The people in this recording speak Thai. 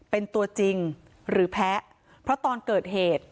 เป็นตัวจริงหรือแพ้เพราะตอนเกิดเหตุ